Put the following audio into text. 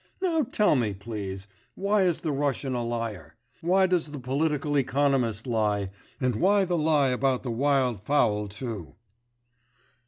Now tell me, please, why is the Russian a liar? Why does the political economist lie, and why the lie about the wild fowl too?